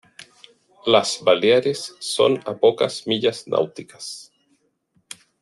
Las Baleares son a pocas millas náuticas.